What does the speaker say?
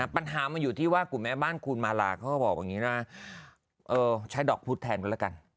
ปัญหามันอยู่ที่ว่ากลุ่มแม่บ้านคูณมาลาก็บอกว่าใช้ดอกพุธแทนกันแล้วกัน